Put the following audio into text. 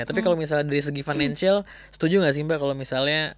tapi kalau misalnya dari segi financial setuju nggak sih mbak kalau misalnya